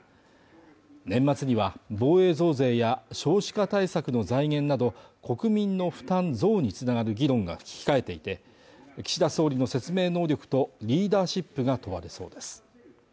年末には防衛増税や少子化対策の財源など国民の負担増につながる議論が控えていて岸田総理の説明能力とリーダーシップが問われそうです